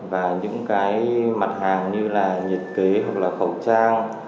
và những cái mặt hàng như là nhiệt kế hoặc là khẩu trang